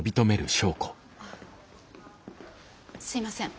すいません。